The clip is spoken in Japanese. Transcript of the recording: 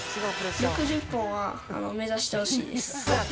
６０本は目指してほしいです。